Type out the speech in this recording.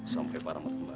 sampai para matemari